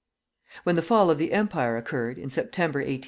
When the fall of the Empire occurred, in September, 1870, M.